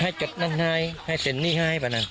ให้จดน้ำไห้ให้เสร็จนี้ไห้แบบนั้น